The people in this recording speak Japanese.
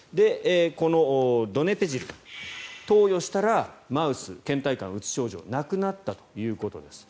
このドネペジルを投与したらマウスのけん怠感、うつ症状がなくなったということです。